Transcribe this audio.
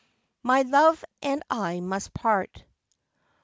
MY LOVE AND I MUST PART.